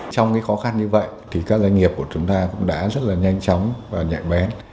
trong cái khó khăn như vậy thì các doanh nghiệp của chúng ta cũng đã rất là nhanh chóng và nhạy bén